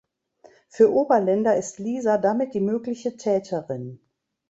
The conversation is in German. Für Oberländer ist Lisa damit die mögliche Täterin.